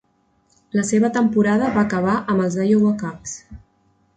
La seva temporada va acabar amb els Iowa Cubs.